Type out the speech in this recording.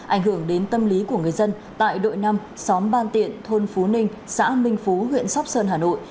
ảnh hưởng đến tâm lý của người dân tại đội năm xóm ban tiện thôn phú ninh xã minh phú huyện sóc sơn hà nội